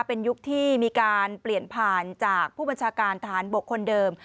เป็นยุคที่มีการเปลี่ยนผ่านจากผู้บัญชาการทหารบกคนเดิม